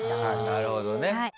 なるほどね。